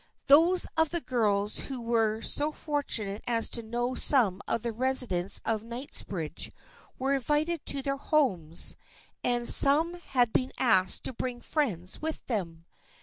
Those of the girls who were so fortunate as to know some of the residents of Kingsbridge were invited to their homes, and some had been asked to bring friends with them.